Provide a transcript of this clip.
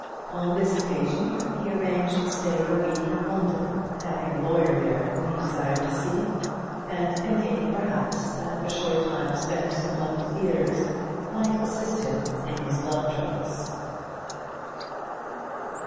On this occasion he arranged to stay a week in London, having a lawyer there whom he desired to see; and thinking, perhaps, that a short time spent among the theatres might assist him in his love troubles.